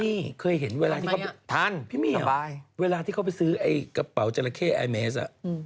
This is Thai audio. นี่เคยเห็นเวลาที่เขาทันพี่เมียเวลาที่เขาไปซื้อไอ้กระเป๋าจราเข้ไอเมส